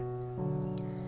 laki laki paruh baia ini